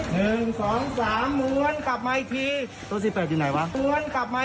หนึ่งสองสามว้นกับไมทีโต๊ะสิบแปดอยู่ไหนวะ